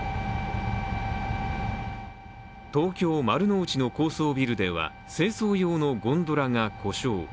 東京・丸の内の高層ビルでは清掃用のゴンドラが故障。